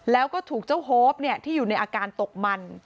แล้วก็ถูกเจ้าโฮปที่อยู่ในอาการตกมัน